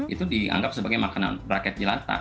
itu dianggap sebagai makanan rakyat jelata